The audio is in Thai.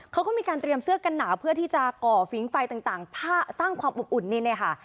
เขาก็มีการเตรียมเสื้อกันหนาวเพื่อที่จะก่อฝิงไฟต่างผ้าสร้างความอบอุ่นนี่เนี่ยค่ะ